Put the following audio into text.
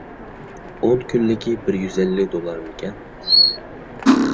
ئون كۈنلۈكى بىر يۈز ئەللىك دوللارمىكەن؟